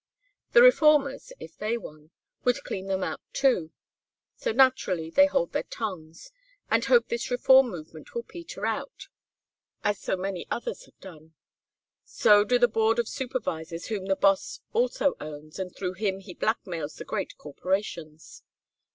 The Reformers, if they won, would clean them out too; so, naturally, they hold their tongues and hope this reform movement will peter out as so many others have done. So do the Board of Supervisors whom the Boss also owns and through whom he blackmails the great corporations.